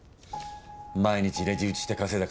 毎日レジ打ちして稼いだ金。